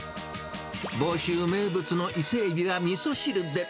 房州名物の伊勢エビはみそ汁で。